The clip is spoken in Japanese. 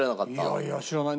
いやいや知らない。